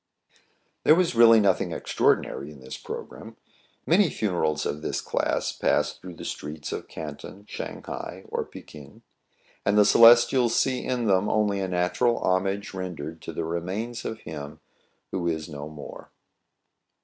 There was really nothing extraordinary in this programme. Many funerals of this class pass through the streets of Canton, Shang hai, or Fekin ; and the Celestials see in them only a natural hom age rendered to the remains of him who is no more.